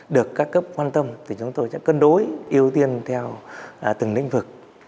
được các cấp quan tâm thì chúng tôi sẽ cân đối ưu tiên theo từng lĩnh vực